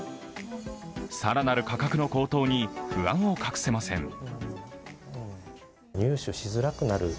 更なる価格の高騰に不安を隠せません。